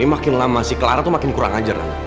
makin lama si clara makin kurang ajar